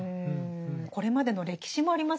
これまでの歴史もありますよね。